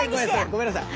ごめんなさい。